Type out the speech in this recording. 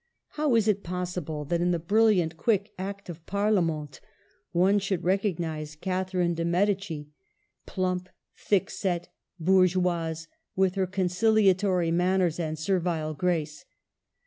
How is it possible that in the brilliant, quick, active Par lamente one should recognize Catherine dei THE '' HEPTAMERONr 225 Medici, plump, thick set, bourgeoise, with her conciliatory manners and servile grace?